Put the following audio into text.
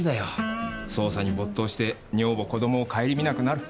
捜査に没頭して女房子供を顧みなくなる。